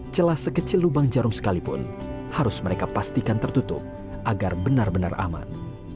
celah sekecil lubang jarum sekalipun harus mereka pastikan tertutup agar benar benar aman